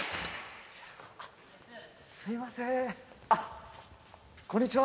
すみません、こんにちは。